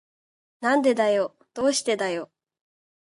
なんでだよ。どうしてだよ。